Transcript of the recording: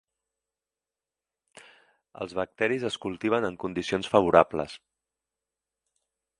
Els bacteris es cultiven en condicions favorables.